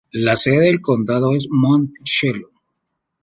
La sede del condado es Monticello.